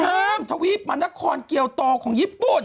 เทอมทวีปมานครเกี่ยวต่อของญี่ปุ่น